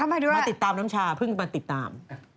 มาติดตามน้ำชาเพิ่งมาติดตาม